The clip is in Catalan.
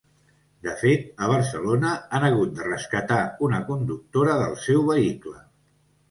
De fet, a Barcelona han hagut de rescatar una conductora del seu vehicle.